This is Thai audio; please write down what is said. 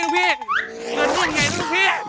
ลูกพี่กำลังเลือกไงลูกพี่